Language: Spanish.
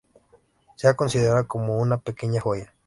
Se ha considerado como una "pequeña joya".